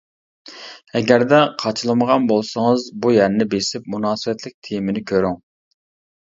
ئەگەردە قاچىلىمىغان بولسىڭىز بۇ يەرنى بېسىپ مۇناسىۋەتلىك تېمىنى كۆرۈڭ.